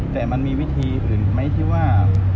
แต่มันมีวิธีอื่นไหมที่ว่า